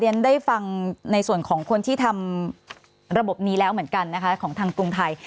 ฉันได้ฟังในส่วนของคนที่ทำระบบนี้แล้วเหมือนกันนะคะของทางกรุงไทย